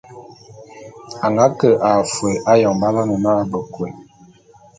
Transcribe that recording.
A nga ke a fôé ayon b'aloene na Bekôé.